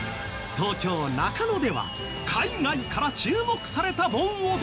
東京中野では海外から注目された盆踊りが！